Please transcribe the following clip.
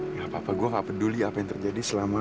gak apa apa gue gak peduli apa yang terjadi selama